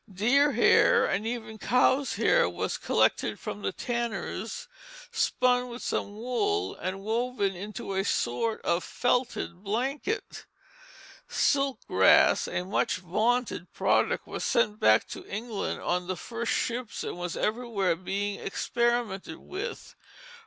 Deer hair and even cow's hair was collected from the tanners, spun with some wool, and woven into a sort of felted blanket. Silk grass, a much vaunted product, was sent back to England on the first ships and was everywhere being experimented with.